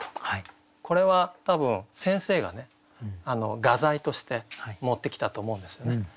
これは多分先生がね画材として持ってきたと思うんですよね。